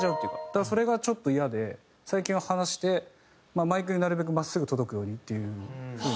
だからそれがちょっとイヤで最近は離してマイクになるべく真っすぐ届くようにっていう風にしてますね。